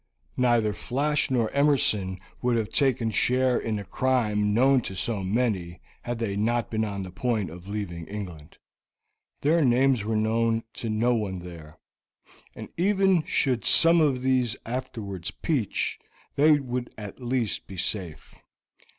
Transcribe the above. Neither Flash nor Emerson would have taken share in a crime known to so many had they not been on the point of leaving England. Their names were known to no one there, and even should some of these afterwards peach they would at least be safe.